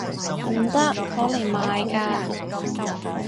唔得！攞嚟賣㗎